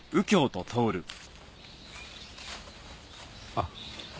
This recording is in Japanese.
あっ。